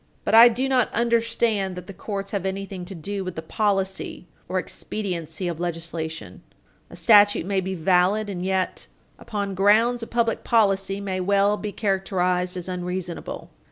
But I do not understand that the courts have anything to do with the policy or expediency of legislation. A statute may be valid and yet, upon grounds of public policy, may well be characterized as unreasonable.